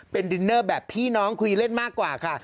เป็นดินเนอร์แบบพี่น้องคุยเล่นมากกว่าค่ะ